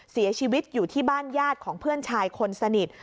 เสียชีวิตอยู่ที่บ้านญาติของเพื่อนชายคนสนิท